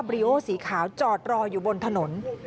รีโอสีขาวจอดรออยู่บนถนน